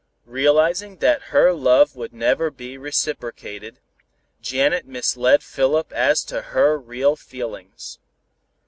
Realizing that her love would never be reciprocated, Janet misled Philip as to her real feelings.